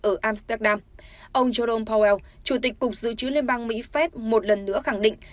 ở amsterdam ông jordan powell chủ tịch cục dự trứ liên bang mỹ fed một lần nữa khẳng định